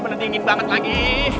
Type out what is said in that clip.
bener dingin banget lagi